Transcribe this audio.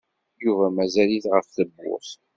Yuba mazal-it ɣef tewwurt.